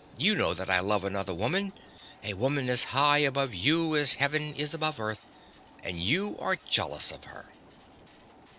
You know that I love another woman, a woman as high above you as heaven is above earth. And you are jealous of her.